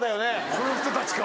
この人たちか！